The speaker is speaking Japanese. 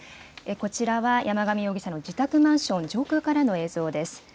こちらは山上容疑者の自宅マンション上空からの映像です。